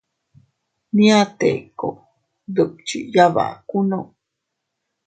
Nñia Teko dukchi yabakunno.